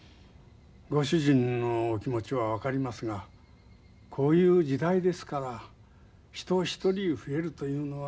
ご主人のお気持ちは分かりますがこういう時代ですから人一人増えるというのは。